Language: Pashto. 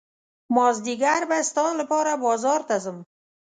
مازدیګر به ستا لپاره بازار ته ځم.